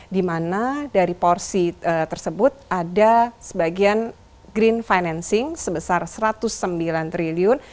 di mana dari porsi tersebut ada sebagian green financing sebesar rp satu ratus sembilan triliun